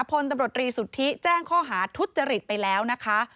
ผลตำรวจรีสุธิแจ้งข้อหาทุษธิะฤทธิ์ไปแล้วนะคะ